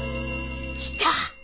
☎来た！